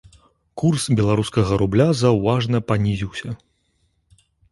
Курс беларускага рубля заўважна панізіўся.